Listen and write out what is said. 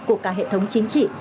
của cả hệ thống chính trị